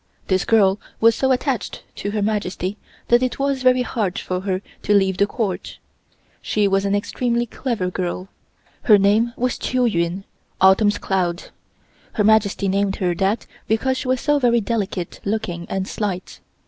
This girl was so attached to Her Majesty that it was very hard for her to leave the Court. She was an extremely clever girl. Her name was Chiu Yuen (Autumn's Cloud). Her Majesty named her that because she was so very delicate looking and slight.